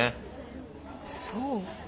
そう？